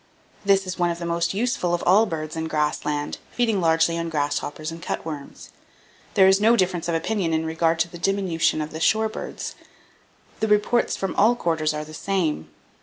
This is one of the most useful of all birds in grass land, feeding largely on grasshoppers and cutworms.... There is no difference of opinion in regard to the diminution of the shore birds; the reports from all quarters are the same.